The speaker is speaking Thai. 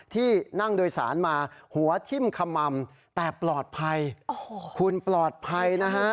ที่นั่งโดยสารมาหัวทิ่มขม่ำแต่ปลอดภัยโอ้โหคุณปลอดภัยนะฮะ